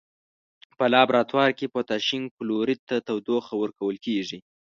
په لابراتوار کې پوتاشیم کلوریت ته تودوخه ورکول کیږي.